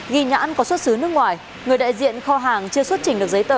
ghi nhãn có xuất xứ nước ngoài người đại diện kho hàng chưa xuất trình được giấy tờ